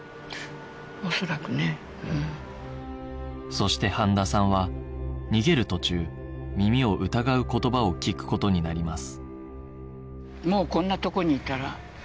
そして飯田さんは逃げる途中耳を疑う言葉を聞く事になります